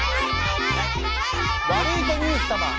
ワルイコニュース様。